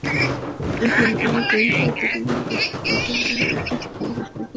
এখন আবার যন্ত্রপাতি কেনার কথা বলে ওটি চালুর বিষয়টি ঝুলিয়ে রাখা হচ্ছে।